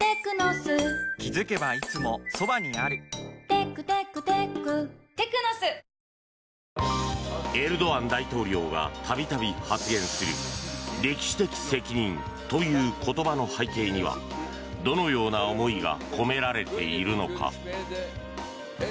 エルドアン大統領が度々、口にするエルドアン大統領が度々、発言する歴史的責任という言葉の背景にはどのような思いが込められているのか。